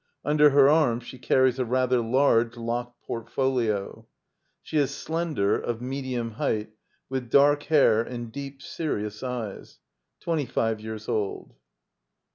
Under her arm she carries a rather large locked portfolio. She is slender, of medium height, with dark hair, and deep, serious eyes. Twenty five years old.